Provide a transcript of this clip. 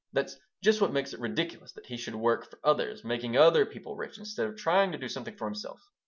"That's just what makes it ridiculous that he should work for others, make other people rich instead of trying to do something for himself.